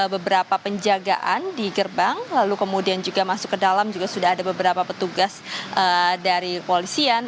beberapa penjagaan di gerbang lalu kemudian juga masuk ke dalam juga sudah ada beberapa petugas dari polisian